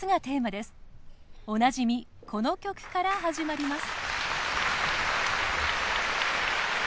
おなじみこの曲から始まります。